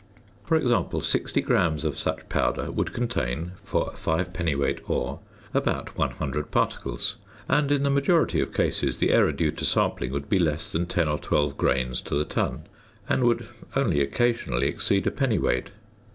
For example, 60 grams of such powder would contain, for a 5 dwt. ore, about 100 particles; and in the majority of cases the error due to sampling would be less than 10 or 12 grains to the ton, and would only occasionally exceed a pennyweight.